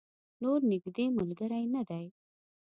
نور نږدې ملګری نه دی.